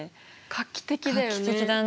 画期的だよね。